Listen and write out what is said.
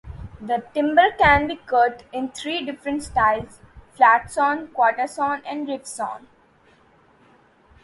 The timber can be cut in three different styles: flat-sawn, quarter-sawn, and rift-sawn.